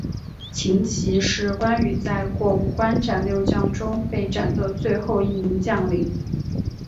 秦琪是关羽在过五关斩六将中被斩的最后一名将领。